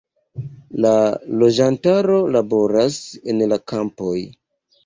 La loĝantaro laboras en la kampoj.